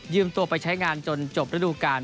ตัวไปใช้งานจนจบระดูการ